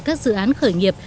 các dự án khởi nghiệp